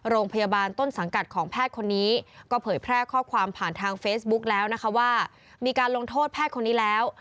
โรงพยาบาลต้นสังกัดของแพทย์คนนี้ก็เผยแพร่ข้อความผ่านทางเฟซบุ๊กแล้วนะคะว่ามีการลงโทษแพทย์คนนี้แล้ว